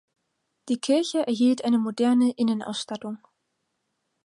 Die Kirche erhielt eine moderne Innenausstattung.